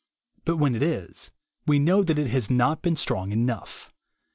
But when it is, we know that it has not been strong enough.